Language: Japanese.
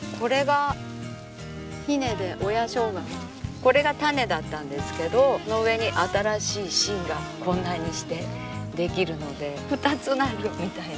これが種だったんですけどその上に新しい新がこんなにして出来るので２つなるみたいな。